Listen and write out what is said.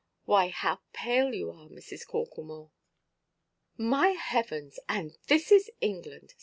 Why, how pale you are, Mrs. Corklemore!" "My Heavens! And this is England!